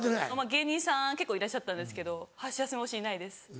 芸人さん結構いらっしゃったんですけどハシヤスメ推しいないです